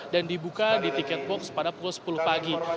dibuka di tiket box pada pukul sepuluh pagi